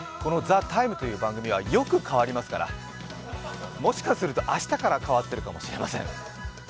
この「ＴＨＥＴＩＭＥ，」という番組は、よく変わりますからもしかすると明日から変わってるかもしれません。